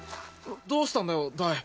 どうしたんだよダイ。